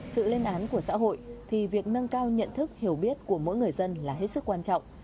sự lên án của xã hội thì việc nâng cao nhận thức hiểu biết của mỗi người dân là hết sức quan trọng